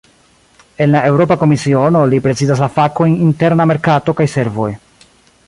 En la Eŭropa Komisiono, li prezidas la fakojn "interna merkato kaj servoj".